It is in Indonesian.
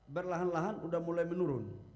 berlahan lahan sudah mulai menurun